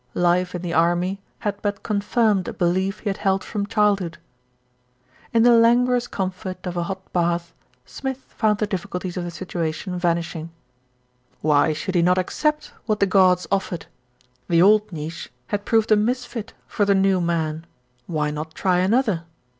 Life in the army had but confirmed a belief he had held from childhood. In the languorous comfort of a hot bath, Smith found the difficulties of the situation vanishing. Why should he not accept what the gods offered? The old niche had proved a mis fit for the new man, why not try another?